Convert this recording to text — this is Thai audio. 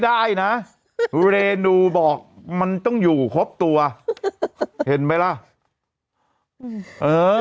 ได้นะเรนูบอกมันต้องอยู่ครบตัวเห็นไหมล่ะอืมเออ